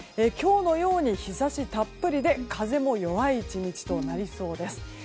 今日のように日差したっぷりで風も弱い１日となりそうです。